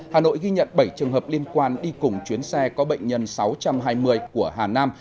hà nội ghi nhận bảy trường hợp liên quan đi cùng chuyến xe có bệnh nhân sáu trăm hai mươi của hà nam